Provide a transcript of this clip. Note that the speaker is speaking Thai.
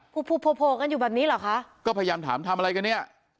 โผล่กันอยู่แบบนี้เหรอคะก็พยายามถามทำอะไรกันเนี่ย